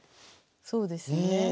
そうですよね。